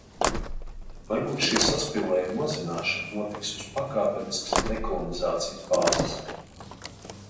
Varbūt šī saspīlējuma mazināšana notiks uz pakāpeniskas dekolonizācijas bāzes?